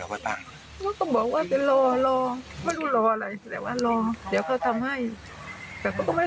และที่ท่านอย่างนั้นเข้ามาช่วยเข้าพูดให้ความอะไรหรอไว้ป่ะ